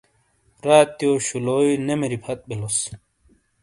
راتیو شُولوئی نے مِری فَت بِیلوس۔